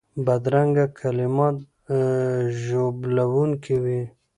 بدرنګه کلمات ژوبلونکي وي